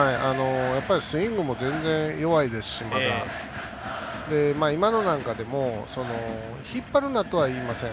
スイングも全然、弱いですし今のでも引っ張るなとはいいません。